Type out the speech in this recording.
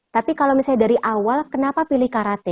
tapi kalau misalnya dari awal kenapa pilih karate